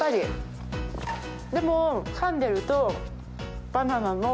でもかんでると。